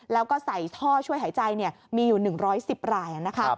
แล้วก็ใส่ท่อช่วยหายใจมีอยู่๑๑๐รายนะคะ